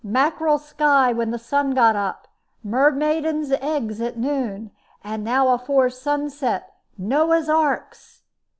"Mackerel sky when the sun got up, mermaiden's eggs at noon, and now afore sunset Noah's Arks!